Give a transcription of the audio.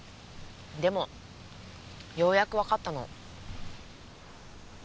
でもようやくわかったの。